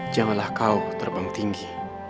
janganlah kau terbang tinggi